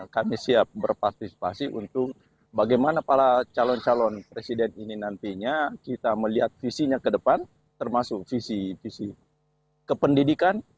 kami siap berpartisipasi untuk bagaimana para calon calon presiden ini nantinya kita melihat visinya ke depan termasuk visi visi kependidikan